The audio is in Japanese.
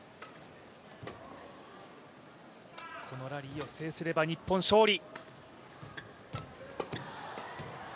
このラリーを制すれば、日本勝利。